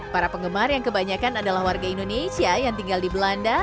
para penggemar yang kebanyakan adalah warga indonesia yang tinggal di belanda